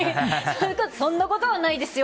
そんなことはないですよ。